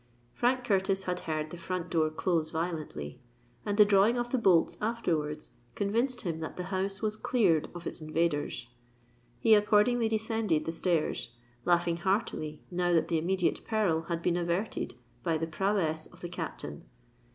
Frank Curtis had heard the front door close violently; and the drawing of the bolts afterwards convinced him that the house was cleared of its invaders. He accordingly descended the stairs, laughing heartily now that the immediate peril had been averted by the prowess of the Captain.